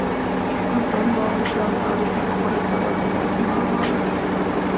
Cottonwood Island ahora está bajo las aguas del Lago Mohave.